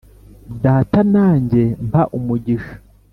data nanjye mpa umugisha